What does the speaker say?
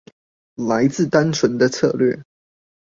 來自單純的策略